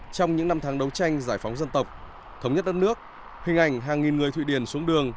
trong những năm tháng đấu tranh giải phóng dân tộc thống nhất đất nước hình ảnh hàng nghìn người thụy điển xuống đường